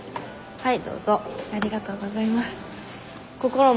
はい。